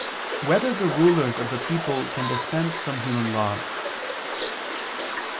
4] Whether the Rulers of the People Can Dispense from Human Laws?